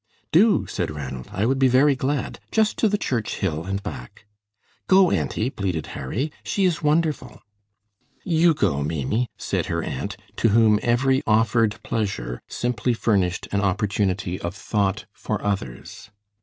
"Do," said Ranald; "I would be very glad. Just to the church hill and back." "Go, auntie," pleaded Harry. "She is wonderful." "You go, Maimie," said her aunt, to whom every offered pleasure simply furnished an opportunity of thought for others.